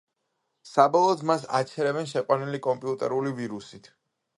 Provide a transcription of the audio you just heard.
საბოლოოდ მას აჩერებენ შეყვანილი კომპიუტერული ვირუსით.